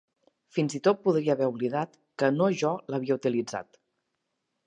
Fins i tot podria haver oblidat que no jo l'havia utilitzat.